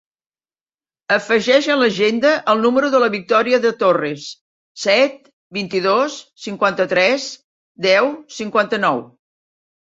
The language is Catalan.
Afegeix a l'agenda el número de la Victòria De Torres: set, vint-i-dos, cinquanta-tres, deu, cinquanta-nou.